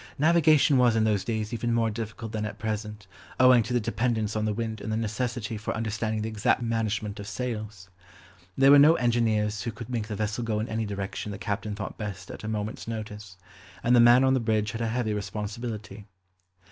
Navigation was in those days even more difficult than at present, owing to the dependence on the wind and the necessity for understanding the exact management of sails. There were no engineers who could make the vessel go in any direction the captain thought best at a moment's notice; and the man on the bridge had a heavy responsibility.